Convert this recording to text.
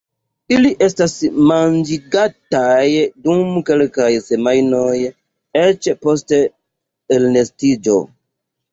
Ili estas manĝigataj dum kelkaj semajnoj eĉ post elnestiĝo.